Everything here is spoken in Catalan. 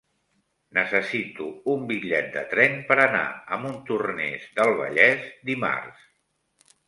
Necessito un bitllet de tren per anar a Montornès del Vallès dimarts.